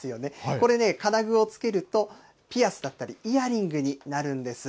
これ、金具をつけるとピアスだったりイヤリングになるんです